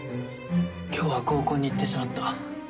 今日は合コンに行ってしまった。